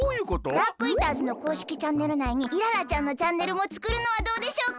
ダークイーターズのこうしきチャンネルないにイララちゃんのチャンネルもつくるのはどうでしょうか？